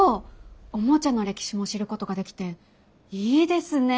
おもちゃの歴史も知ることができていいですね。